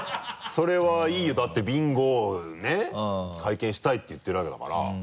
それはいいよだってビンゴね体験したいって言ってるわけだから。